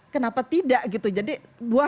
kenapa tidak gitu jadi dua